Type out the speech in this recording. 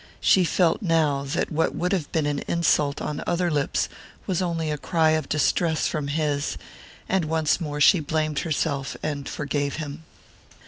She felt now that what would have been an insult on other lips was only a cry of distress from his; and once more she blamed herself and forgave him.